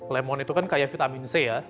lemon itu kan kayak vitamin c ya